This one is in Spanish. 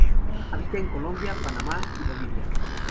Habita en Colombia, Panamá y Bolivia.